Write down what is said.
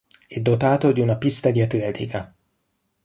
È dotato di una pista di atletica.